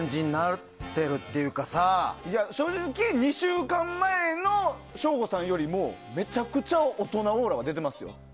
正直２週間前の省吾さんよりもめちゃくちゃ大人オーラが出てますよ。